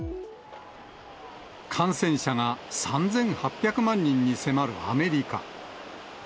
感染者が３８００万人に迫るアメリカ。